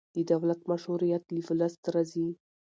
د دولت مشروعیت له ولس راځي